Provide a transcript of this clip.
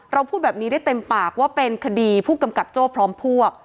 พูดแบบนี้ได้เต็มปากว่าเป็นคดีผู้กำกับโจ้พร้อมพวก